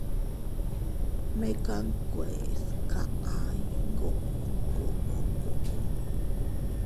Mekan nkuees kaʼa iyngoo koʼko.